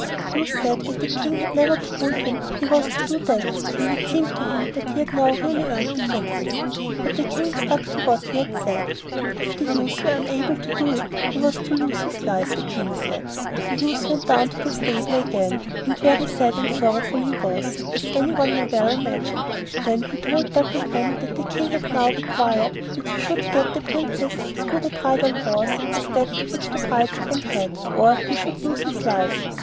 The youth said that the King had never told him he was to do that, and it seemed to him that he had now really earned the Princess; but the King stuck to what he had said, and if the youth were unable to do it he was to lose his life, the King said. The youth went down to the stable again, and very sad and sorrowful he was, as anyone may well imagine. Then he told Dapplegrim that the King had now required that he should get the Princess as good a bridal horse as that which the bridegroom had, or he should lose his life.